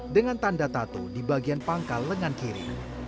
dengan tanda tatu di bagian pangkal lengan kiri